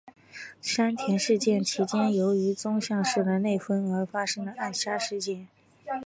山田事件其间由于宗像氏的内纷而发生的暗杀事件。